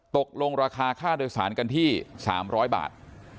ตกลงราคาค่าโดยสารกันที่๓๐๐บาท